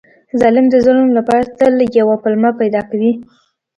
ظالم د ظلم لپاره تل یوه پلمه پیدا کوي.